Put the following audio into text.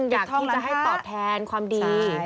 อยากที่จะให้ตอบแทนความดี